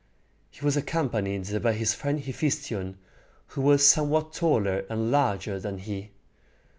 He was accompanied by his friend Hephæstion, who was somewhat taller and larger than he.